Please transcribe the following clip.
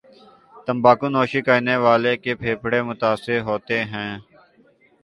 تمباکو نوشی کرنے والے کے پھیپھڑے متاثر ہوتے ہیں